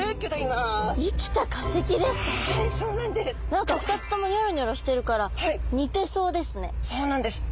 何か２つともニョロニョロしてるから似てそうですね。